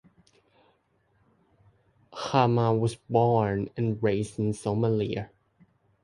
Jama was born and raised in Somalia.